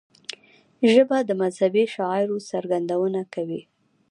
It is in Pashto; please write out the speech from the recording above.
ژبه د مذهبي شعائرو څرګندونه کوي